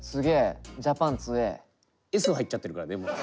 Ｓが入っちゃってるからねもう。